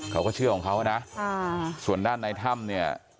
เขาก็เชื่อของเขานะส่วนด้านในถ้ำเนี่ย